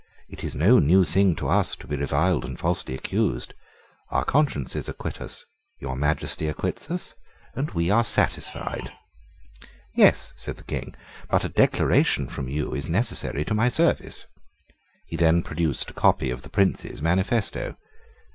It is no new thing to us to be reviled and falsely accused. Our consciences acquit us: your Majesty acquits us: and we are satisfied." "Yes," said the King; "but a declaration from you is necessary to my service." He then produced a copy of the Prince's manifesto.